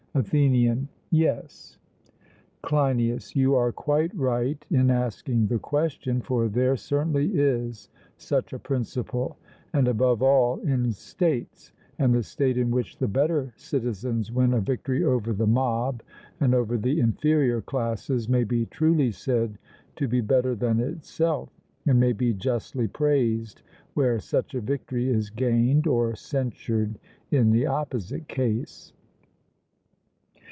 ATHENIAN: Yes. CLEINIAS: You are quite right in asking the question, for there certainly is such a principle, and above all in states; and the state in which the better citizens win a victory over the mob and over the inferior classes may be truly said to be better than itself, and may be justly praised, where such a victory is gained, or censured in the opposite case.